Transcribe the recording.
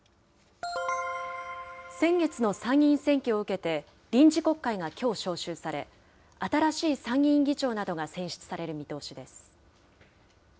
先月の参議院選挙を受けて、臨時国会がきょう召集され、新しい参議院議長などが選出される見通しです。